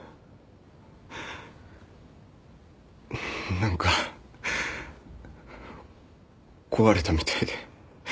何か壊れたみたいで。